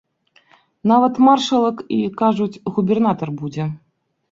Нават маршалак і, кажуць, губернатар будзе.